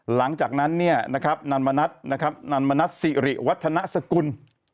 หลังจากนั้นเนี่ยนะครับนัลมณัติสิริวัฒนสกุล